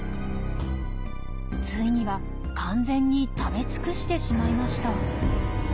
ついには完全に食べ尽くしてしまいました。